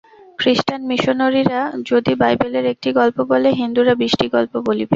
খ্রীষ্টান মিশনরীরা যদি বাইবেলের একটি গল্প বলে, হিন্দুরা বিশটি গল্প বলিবে।